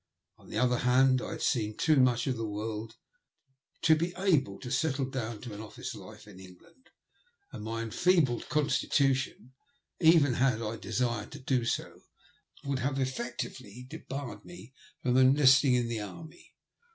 On the other hand I had seen too much of the world to be able to settle down to an office life in England, and my enfeebled constitution, even had I desired to do so, would have effectively debarred me from enlisting in the Army.